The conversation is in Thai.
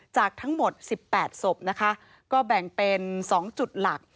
จากทั้งหมด๑๘ศพนะคะก็แบ่งเป็น๒จุดหลัก